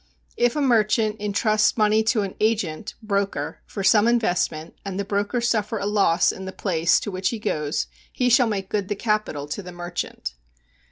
If a merchant intrust money to an agent [broker] for some investment, and the broker suffer a loss in the place to which he goes, he shall make good the capital to the merchant.